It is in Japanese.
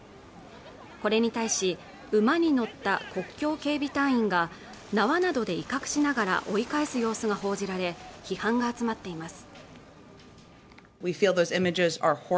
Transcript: これに対し、馬に乗った国境警備隊員が縄などで威嚇しながら追い返す様子が報じられ、批判が集まっています。